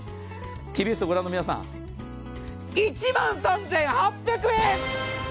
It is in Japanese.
ＴＢＳを御覧の皆さん、１万３８００円！